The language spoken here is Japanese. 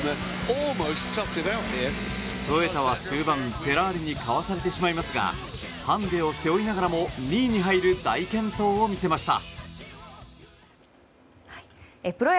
トヨタは終盤、フェラーリにかわされてしまいますがハンデを背負いながらも２位に入る大健闘を見せました。